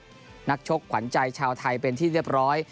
นักชกขวัญใจชาวไทยเป็นที่เรียบร้อย